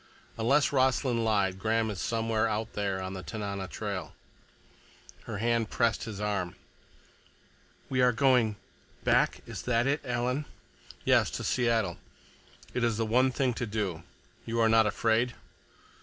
Unless Rossland lied, Graham is somewhere out there on the Tanana trail." Her hand pressed his arm. "We are going—back? Is that it, Alan?" "Yes, to Seattle. It is the one thing to do. You are not afraid?"